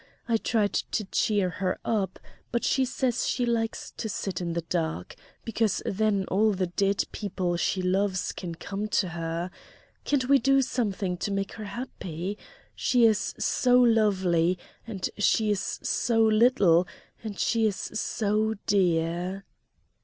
I tried to cheer her up, but she says she likes to sit in the dark, because then all the dead people she loves can come to her. Can't we do something to make her happy? She is so lovely, and she is so little, and she is so dear!"